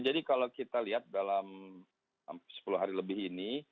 jadi kalau kita lihat dalam sepuluh hari lebih ini